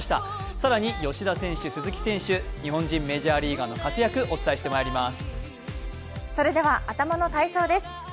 更に吉田選手、鈴木選手、日本人メジャーリーガーの活躍、お伝えしてまいります。